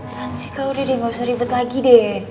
kan sih kak udah deh gak usah ribet lagi deh